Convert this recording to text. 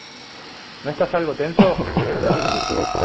¿ No estás algo tenso?